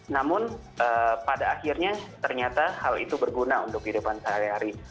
namun pada akhirnya ternyata hal itu berguna untuk kehidupan sehari hari